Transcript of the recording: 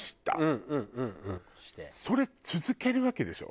それ続けるわけでしょ？